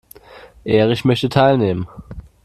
Erich möchte teilnehmen.